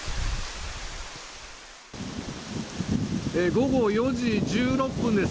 午後４時１６分です。